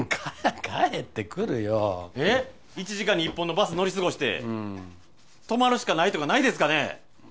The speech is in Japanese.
帰ってくるよえっ１時間に１本のバス乗り過ごして泊まるしかないとかないですかね？